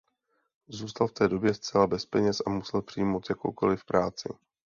Zůstal v té době zcela bez peněz a musel přijmout jakoukoliv práci.